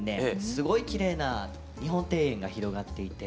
すごいきれいな日本庭園が広がっていて。